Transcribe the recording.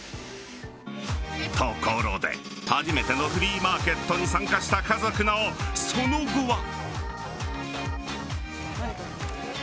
ところで、初めてのフリーマーケットに参加した家族のその後は。